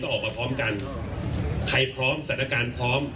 ออกมาพร้อมกันใครพร้อมสถานการณ์พร้อม